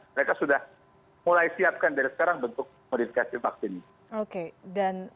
mereka sudah mulai siapkan dari sekarang bentuk modifikasi vaksin